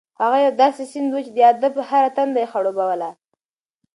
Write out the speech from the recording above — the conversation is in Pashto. هغه یو داسې سیند و چې د ادب هره تنده یې خړوبوله.